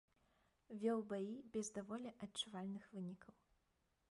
Вёў баі без даволі адчувальных вынікаў.